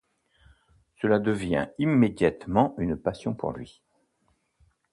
Cela devient immédiatement une passion pour lui.